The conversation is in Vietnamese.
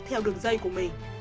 theo đường dây của mình